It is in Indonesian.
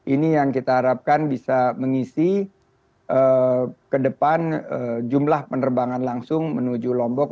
ini yang kita harapkan bisa mengisi ke depan jumlah penerbangan langsung menuju lombok